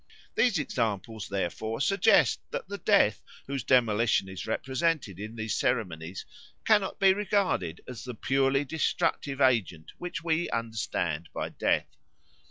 These examples therefore suggest that the Death whose demolition is represented in these ceremonies cannot be regarded as the purely destructive agent which we understand by Death.